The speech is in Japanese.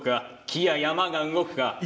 木や山が動くか？